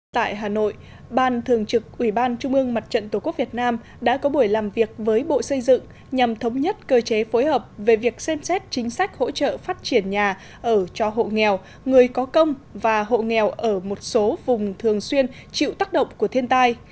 tại hà nội ban thường trực ủy ban trung ương mặt trận tổ quốc việt nam đã có buổi làm việc với bộ xây dựng nhằm thống nhất cơ chế phối hợp về việc xem xét chính sách hỗ trợ phát triển nhà ở cho hộ nghèo người có công và hộ nghèo ở một số vùng thường xuyên chịu tác động của thiên tai